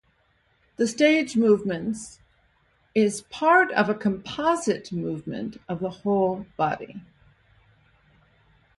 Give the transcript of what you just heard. The stage movements is part of a composite movement of the whole body.